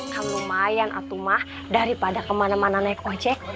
kamu lumayan atuh mah daripada kemana mana naik ojek